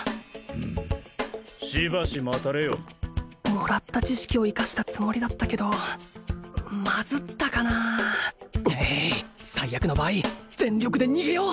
うむしばし待たれよもらった知識を生かしたつもりだったけどマズったかなええい最悪の場合全力で逃げよう！